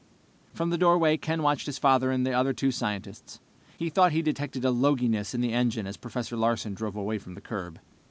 From the doorway Ken watched his father and the other two scientists. He thought he detected a loginess in the engine as Professor Larsen drove away from the curb.